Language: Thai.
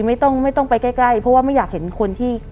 ไม่ต้องไม่ต้องไปใกล้เพราะว่าไม่อยากเห็นคนที่